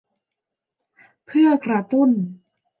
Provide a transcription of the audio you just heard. เพื่อกระตุ้น